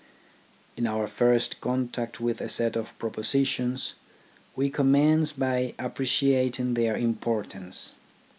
In our first contact with a set of propositions, we commence by appreciating their importance.